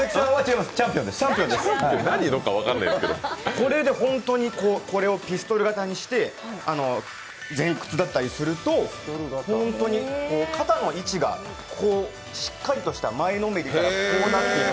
これで本当にピストル型にして前屈だったりすると本当に肩の位置がしっかりとした、前のめりから、こうなっていく。